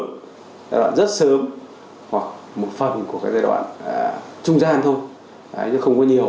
giai đoạn rất sớm hoặc một phần của giai đoạn trung gian thôi nhưng không có nhiều